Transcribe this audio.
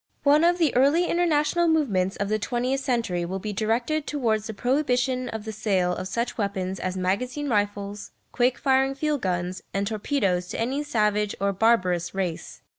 One of the early international movements of the twentieth century will be directed towards the prohibition of the sale of such weapons as magazine rifles, quick firing field guns, and torpedoes to any savage or barbarous race.